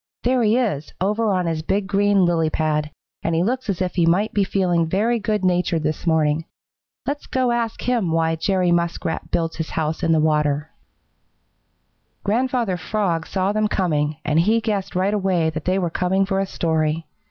There he is, over on his big green lily pad, and he looks as if he might be feeling very good natured this morning. Let's go ask him why Jerry Muskrat builds his house in the water." Grandfather Frog saw them coming, and he guessed right away that they were coming for a story.